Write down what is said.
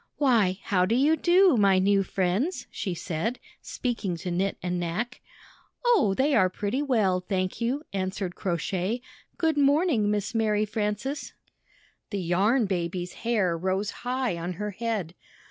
"Why, how do you do, my new friends?" she said, speaking to Eoiit and Knack. "Oh, they are pretty well, thank you," answered Crow Shay. "Good morning, Miss Mary Frances." The Yarn Baby's hair rose high on her head.